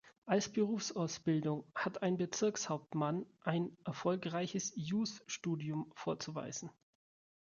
Als Berufsausbildung hat ein Bezirkshauptmann ein erfolgreiches Jusstudium vorzuweisen.